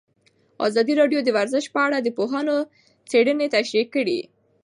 ازادي راډیو د ورزش په اړه د پوهانو څېړنې تشریح کړې.